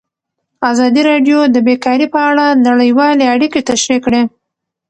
ازادي راډیو د بیکاري په اړه نړیوالې اړیکې تشریح کړي.